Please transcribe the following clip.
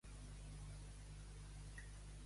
Què fa perdre l'ànim?